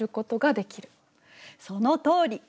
そのとおり！